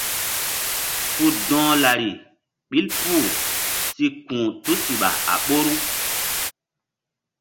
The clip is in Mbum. Ku dɔ̧h lari ɓil pul si ku̧h tusiɓa a ɓoru.